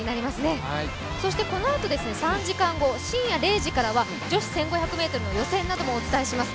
そしてこのあと３時間後、深夜０時からは女子１５００ｍの予選などもお伝えします。